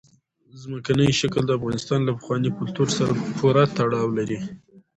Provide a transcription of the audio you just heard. ځمکنی شکل د افغانستان له پخواني کلتور سره پوره تړاو لري.